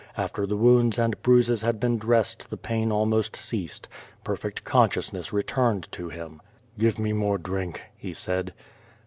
After the wounds and bruises had been dressed the pain almost ceased. Perfect consciousness returned to him. "Give me more drink,' he said.